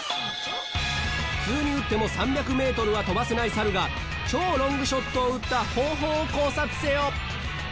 普通に打っても３００メートルは飛ばせない猿が超ロングショットを打った方法を考察せよ！